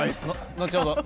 後ほど。